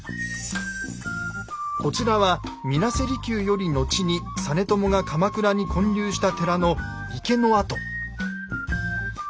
こちらは水無瀬離宮より後に実朝が鎌倉に建立した寺の池の跡。